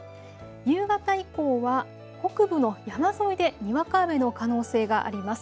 夕方以降は北部の山沿いでにわか雨の可能性があります。